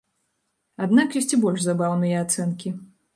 Аднак ёсць і больш забаўныя ацэнкі.